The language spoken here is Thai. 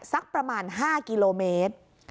สักประมาณ๕กิโลเมตร